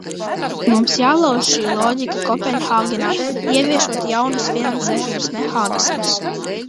Mums jālauž šī loģika Kopenhāgenā, ieviešot jaunus finansēšanas mehānismus.